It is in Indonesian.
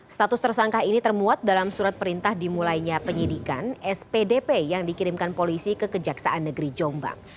status tersangka ini termuat dalam surat perintah dimulainya penyidikan spdp yang dikirimkan polisi ke kejaksaan negeri jombang